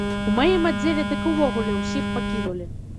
У маім аддзеле дык і ўвогуле ўсіх пакінулі.